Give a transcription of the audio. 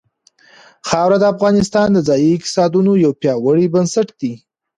خاوره د افغانستان د ځایي اقتصادونو یو پیاوړی بنسټ دی.